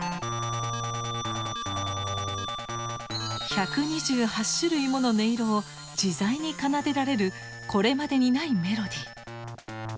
１２８種類もの音色を自在に奏でられるこれまでにないメロディー。